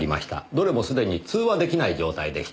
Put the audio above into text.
どれもすでに通話出来ない状態でした。